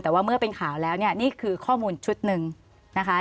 แต่ว่าเมื่อเป็นข่าวแล้วเนี่ยนี่คือข้อมูลชุดหนึ่งนะคะ